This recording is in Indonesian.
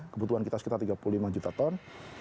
kebutuhan kita sekitar tiga puluh lima juta ton